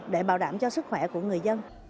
để bảo đảm cho sức khỏe của người dân